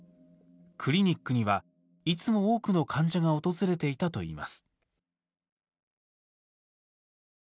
クリニックにはいつも多くの患者が訪れていたといいます。